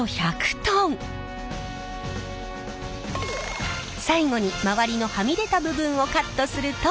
最後に周りのはみ出た部分をカットするとレコードが完成。